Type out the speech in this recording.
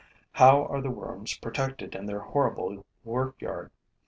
How are the worms protected in their horrible work yard?